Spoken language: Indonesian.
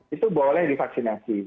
itu boleh divaksinasi